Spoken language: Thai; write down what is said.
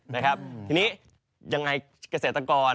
ทีนี้ยังไงเกษตรกร